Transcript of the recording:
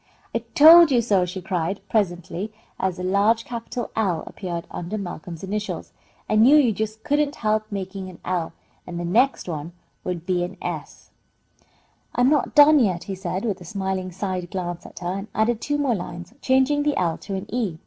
"I told you so!" she cried, presently, as a large capital L appeared under Malcolm's initials. "I knew you just couldn't help making an L, and the next one will be an S." "I'm not done yet," he said, with a smiling side glance at her, and added two more lines, changing the L to an E.